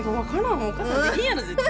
お母さんできんやろ絶対。